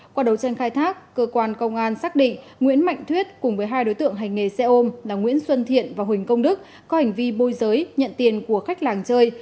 qua đấu tranh khai thác cơ quan công an xác định nguyễn mạnh thuyết cùng với hai đối tượng hành nghề xe ôm là nguyễn xuân thiện và huỳnh công đức có hành vi môi giới nhận tiền của khách làng chơi